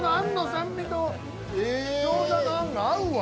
酸味と餃子の餡が合うわ！